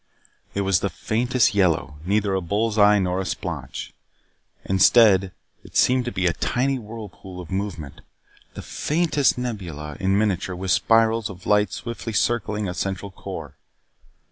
It was the faintest yellow, neither a bull's eye nor a splotch. Instead, it seemed to be a tiny whirlpool of movement the faintest nebula in miniature with spirals of light swiftly circling a central core.